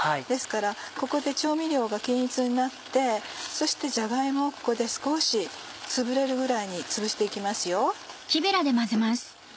ですからここで調味料が均一になってそしてじゃが芋をここで少しつぶれるぐらいにつぶして行きますよ。